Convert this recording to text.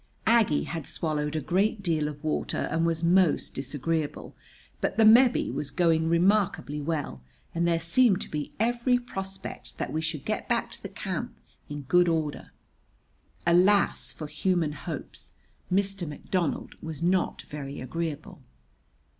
Aggie had swallowed a great deal of water and was most disagreeable; but the Mebbe was going remarkably well, and there seemed to be every prospect that we should get back to the camp in good order. Alas, for human hopes! Mr. McDonald was not very agreeable.